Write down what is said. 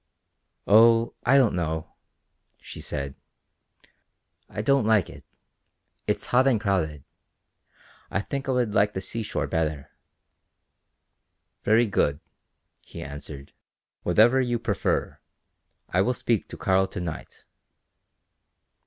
"Oh, I don't know," she said; "I don't like it; it's hot and crowded. I think I would like the seashore better." "Very good," he answered; "whatever you prefer. I will speak to Karl to night."